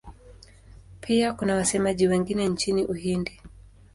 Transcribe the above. Pia kuna wasemaji wengine nchini Uhindi.